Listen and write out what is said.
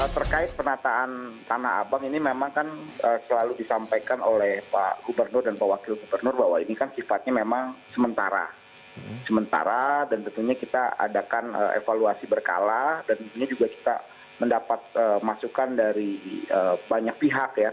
terkait penataan tanah abang ini memang kan selalu disampaikan oleh pak anis